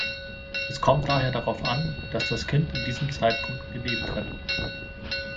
Es kommt daher darauf an, dass das Kind in diesem Zeitpunkt gelebt hat.